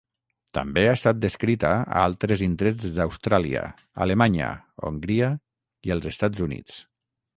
També ha estat descrita a altres indrets d'Austràlia, Alemanya, Hongria i els Estats Units.